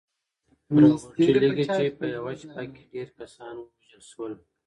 راورټي ليکي چې په يوه شپه کې ډېر کسان ووژل شول.